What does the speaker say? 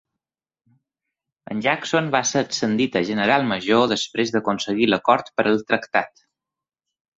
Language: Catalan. En Jackson va ser ascendit a General Major després d'aconseguir l'acord per al tractat.